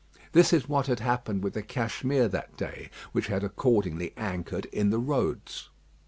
This is what had happened with the Cashmere that day, which had accordingly anchored in the roads.